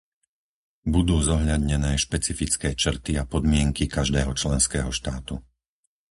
Budú zohľadnené špecifické črty a podmienky každého členského štátu.